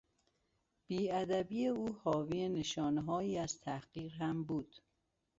بیادبی او حاوی نشانههایی از تحقیر هم بود.